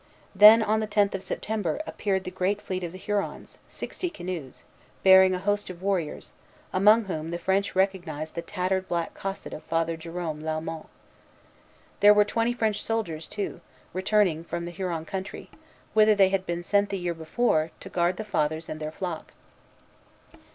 Then, on the tenth of September, appeared the great fleet of the Hurons, sixty canoes, bearing a host of warriors, among whom the French recognized the tattered black cassock of Father Jerome Lalemant. There were twenty French soldiers, too, returning from the Huron country, whither they had been sent the year before, to guard the Fathers and their flock.